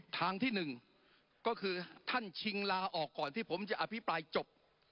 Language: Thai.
ทางที่๑ก็คือท่านชิงลาออกก่อนที่ผมจะอภิปรายจบ